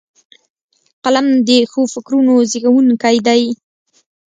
قلم د ښو فکرونو زیږوونکی دی